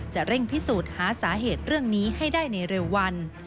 เร่งพิสูจน์หาสาเหตุเรื่องนี้ให้ได้ในเร็ววัน